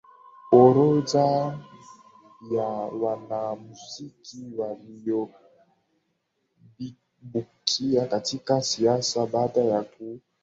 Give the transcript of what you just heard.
orodha ya wanamuziki walioibukia katika siasa baada ya kutangaza rasmi kuwa atawania kuwa Meya